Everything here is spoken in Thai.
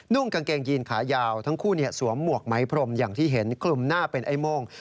กางเกงยีนขายาวทั้งคู่สวมหมวกไหมพรมอย่างที่เห็นคลุมหน้าเป็นไอ้โม่ง